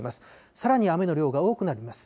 さらに雨の量が多くなります。